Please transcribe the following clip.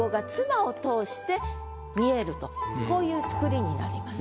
こういう作りになります。